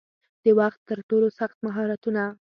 د وخت ترټولو سخت مهارتونه